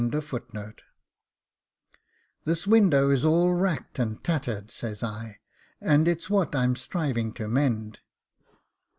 'This window is all racked and tattered,' says I, 'and it's what I'm striving to mend.